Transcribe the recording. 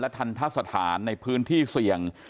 ทันทะสถานในพื้นที่เสี่ยง